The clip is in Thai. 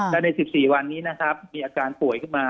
และใน๑๔วันนี้นะครับมีอาการป่วยขึ้นมา